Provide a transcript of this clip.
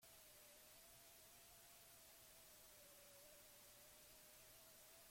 Eta ondoren berretsia bertako Auzitegi Gorenak.